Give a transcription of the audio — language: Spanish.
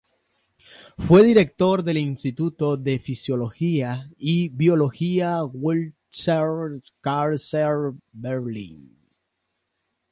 Fue director del instituto de Fisiología y Biología Wilhelm Kaiser, Berlín.